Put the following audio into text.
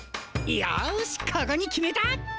よしここに決めた。